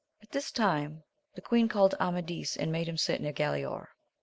At this time the queen called to Amadis, and made him sit near Galaor.